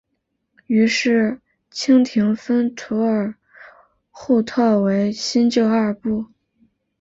于是清廷分土尔扈特为新旧二部。